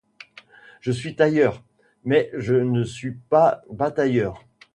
Je suis tailleur, mais je ne suis pas batailleur.